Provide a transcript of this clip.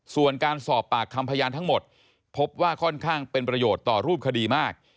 ส่วนการสอบปากคำพยานทั้งหมดพบว่าค่อนข้างเป็นประโยชน์ต่อรูปคดีมาก